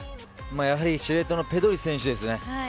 やはり司令塔のペドリ選手ですね。